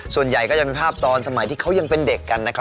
ส่วนใหญ่ก็จะมีภาพตอนสมัยที่เขายังเป็นเด็ก